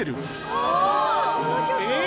ああこの曲！